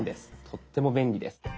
とっても便利です。